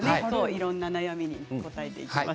いろんな悩みに答えていきます。